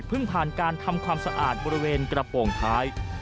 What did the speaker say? ผ่านการทำความสะอาดบริเวณกระโปรงท้าย